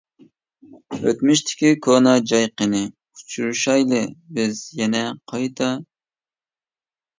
ئۆتمۈشتىكى كونا جاي قېنى؟ ئۇچرىشايلى بىز يەنە قايتا.